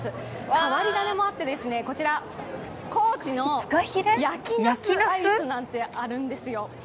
変わり種もあって、こちら、高知の焼きナスアイスなんてあるんですよ。